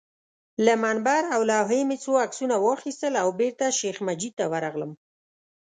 له منبر او لوحې مې څو عکسونه واخیستل او بېرته شیخ مجید ته ورغلم.